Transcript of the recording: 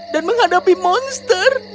dan menghadapi monster